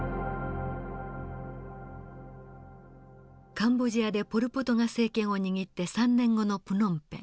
カンボジアでポル・ポトが政権を握って３年後のプノンペン。